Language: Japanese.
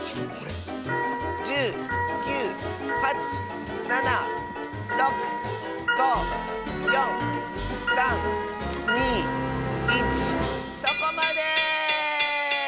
１０９８７６５４３２１そこまで！